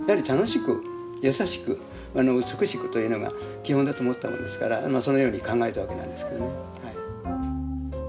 というのが基本だと思ったもんですからそのように考えたわけなんですけどね。